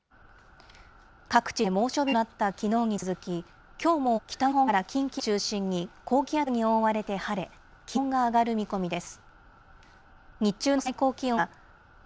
各地で猛暑日となったきのうに続き、きょうも北日本から近畿を中心に、高気圧に覆われて晴れ、気温が上がる見込みです。